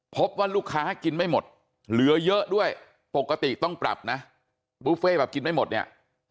พบว่าลูกค้ากินไม่หมดเหลือเยอะด้วยปกติต้องปรับนะบุฟเฟ่แบบกินไม่หมดเนี่ย